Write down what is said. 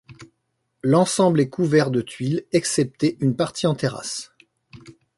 L'ensemble est couvert de tuiles excepté une partie en terrasse.